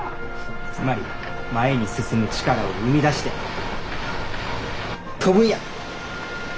つまり前に進む力を生み出して飛ぶんや！